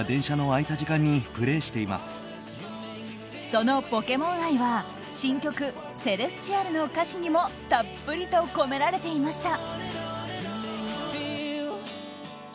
そのポケモン愛は新曲「Ｃｅｌｅｓｔｉａｌ」の歌詞にもたっぷりと込められていました。